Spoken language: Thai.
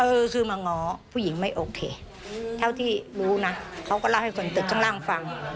เออคือมาง้อผู้หญิงไม่โอเคเท่าที่รู้นะเขาก็เล่าให้คนตึกข้างล่างฟัง